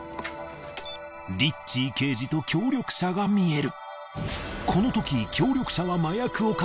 リッチー刑事と協力者が見える。